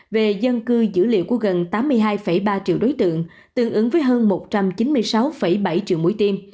về dân cư dữ liệu của gần tám mươi hai ba triệu đối tượng tương ứng với hơn một trăm chín mươi sáu bảy triệu mũi tiêm